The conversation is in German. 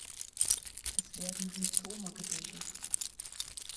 Es werden Rhizome gebildet.